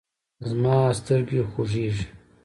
زما سترګې خوږیږي